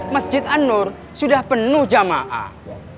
masjid anur sudah penuh jamaah